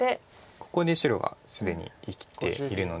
ここで白が既に生きているので。